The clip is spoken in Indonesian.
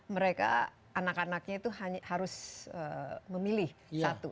mereka anak anaknya itu harus memilih satu